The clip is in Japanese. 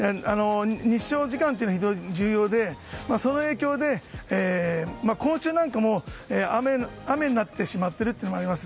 日照時間って非常に重要でその影響で今週なんかも雨になってしまっているというのがあります。